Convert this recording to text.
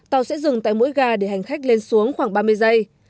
tàu sẽ dừng tại mỗi ga để hành khách lên xuống khoảng ba mươi giây